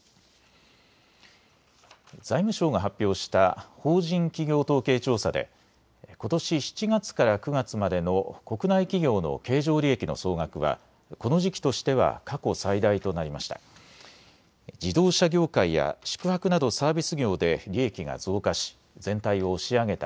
財務省が発表した法人企業統計調査でことし７月から９月までの国内企業の経常利益の総額はこの時期としては過去最大となりました。